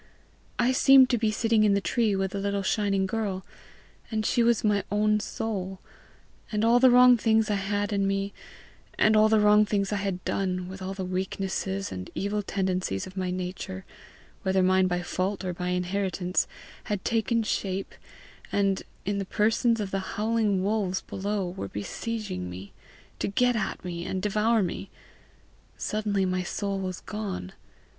I seemed to be sitting in the tree with the little shining girl, and she was my own soul; and all the wrong things I had in me, and all the wrong things I had done, with all the weaknesses and evil tendencies of my nature, whether mine by fault or by inheritance, had taken shape, and, in the persons of the howling wolves below, were besieging me, to get at me, and devour me. Suddenly my soul was gone.